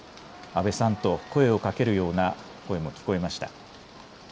安倍さんと声をかけるような声も聞こえました。